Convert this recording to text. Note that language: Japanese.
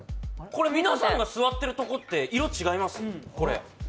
これ皆さんが座ってるところって色違います？